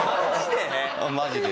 マジで？